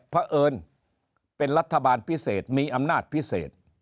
เพราะเอิญเป็นรัฐบาลพิเศษมีอำนาจพิเศษ